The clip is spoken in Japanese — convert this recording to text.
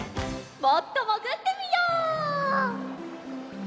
もっともぐってみよう。